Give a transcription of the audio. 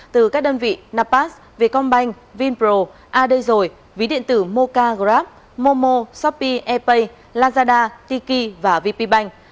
từ các đơn vị napas vietcombank vinpro adesoy ví điện tử mocagraph momo shopee e pay lazada tiki và vp bank